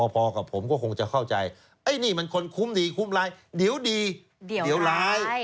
พอกับผมก็คงจะเข้าใจไอ้นี่มันคนคุ้มดีคุ้มร้ายเดี๋ยวดีเดี๋ยวร้าย